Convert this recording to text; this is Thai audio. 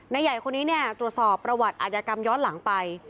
ใหญ่คนนี้เนี่ยตรวจสอบประวัติอาชญากรรมย้อนหลังไป